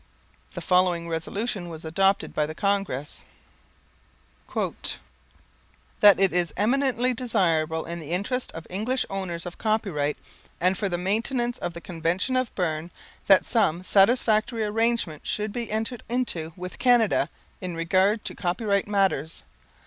The following resolution was adopted by the Congress: "That it is eminently desirable in the interests of English owners of copyright, and for the maintenance of the Convention of Berne, that some satisfactory arrangements should be entered into with Canada in regard to copyright matters.